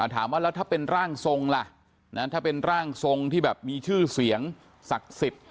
ถามว่าแล้วถ้าเป็นร่างทรงล่ะถ้าเป็นร่างทรงที่แบบมีชื่อเสียงศักดิ์สิทธิ์